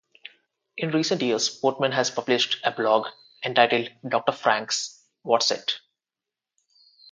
In recent years Portman has published a blog entitled Doctor Frank's What's-It.